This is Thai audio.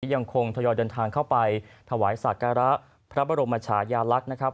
ยังคงทยอยเดินทางเข้าไปถวายสักการะพระบรมชายาลักษณ์นะครับ